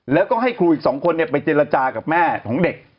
แล้วก็ให้ครูอีก๒คนไปเจรจากับแม่ของเด็ก